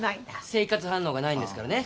生活反応がないんですからね。